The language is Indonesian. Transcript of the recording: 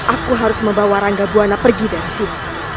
aku harus membawa rangga buana pergi dari sini